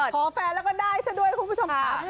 ขอแฟนแล้วก็ได้สุดนะครับหลีก